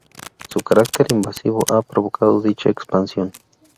Su carácter invasivo ha provocado dicha expansión.